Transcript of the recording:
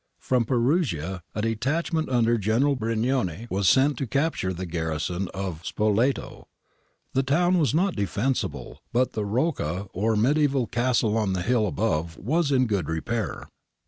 ^ From Perugia a detachment under General Brignone was sent to capture the garrison of Spoleto. The town was not defensible, but the Rocca or mediaeval castle on the hill above was in good repair.